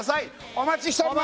お待ちしております